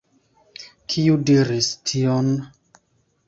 Kiu diris tion?